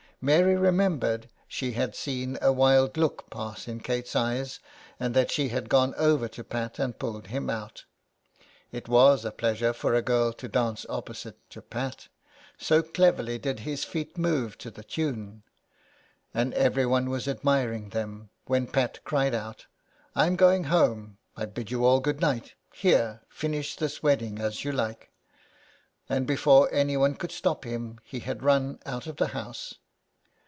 Mary remembered she had seen a wild look pass in Kate's eyes, and that she had gone over to Pat and pulled him out. It was a pleasure for a girl to dance opposite to Pat, so cleverly did his feet move to the tune. And everyone was admiring them when Pat cried out : 17 SOME PARISHIONERS. *' I'm going home. I bid you all good night; here, finish this wedding as you like." And before anyone could stop him he had run out of the house.